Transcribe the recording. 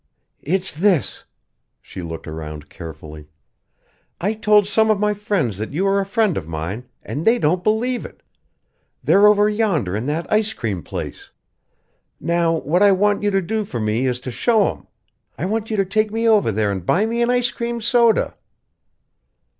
"It's this." She looked around carefully. "I told some of my friends that you are a friend of mine, and they don't believe it. They're over yonder in that ice cream place. Now, what I want you to do for me is to show 'em. I want you to take me over there and buy me an ice cream soda!"